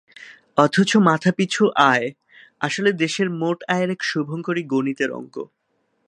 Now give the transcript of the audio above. অথচ মাথাপিছু আয় আসলে দেশের মোট আয়ের এক শুভংকরী গণিতের অঙ্ক।